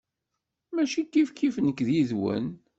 Mačči kifkif nekk yid-wen.